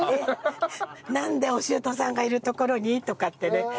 なんでおしゅうとさんがいるところにとかってね。